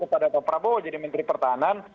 kepada pak prabowo jadi menteri pertahanan